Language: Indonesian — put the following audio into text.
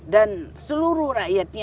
dan seluruh rakyatnya